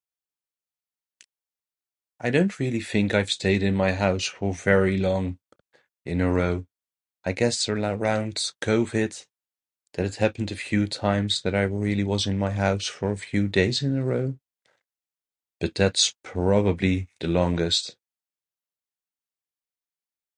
I don't really think I've stayed in my house for very long in a row. I guess sorta around COVID that it's happened a few times that I really was in my house a few days in a row. But, that's probably the longest.